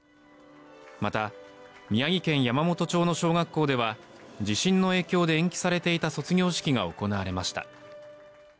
また、宮城県山元町の小学校では地震の影響で延期されていた卒業式が行われました。